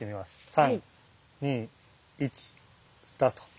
３２１スタート。